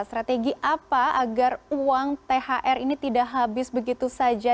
strategi apa agar uang thr ini tidak habis begitu saja